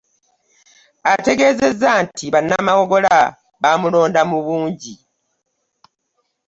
Ategeezezza nti bannamawogola baamulonga mu bungi